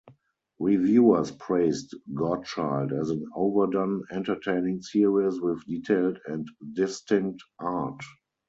Reviewers praised "Godchild" as an overdone, entertaining series with detailed and distinct art.